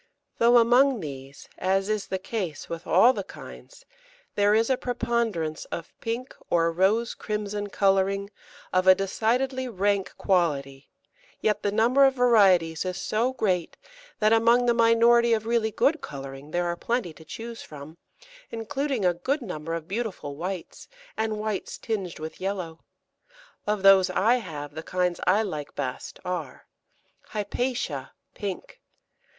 Though among these, as is the case with all the kinds, there is a preponderance of pink or rose crimson colouring of a decidedly rank quality, yet the number of varieties is so great, that among the minority of really good colouring there are plenty to choose from, including a good number of beautiful whites and whites tinged with yellow. Of those I have, the kinds I like best are Hypatia, pink.